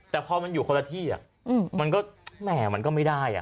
แต่พอมันอยู่คนละที่มันก็แหม่มันก็ไม่ได้